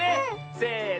せの。